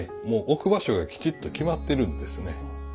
もう置く場所がきちっと決まってるんですね。